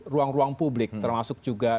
ruang ruang publik termasuk juga